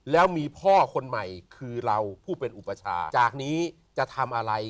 แล้วมีพ่อคนใหม่หลังจากนี้จะทำอะไร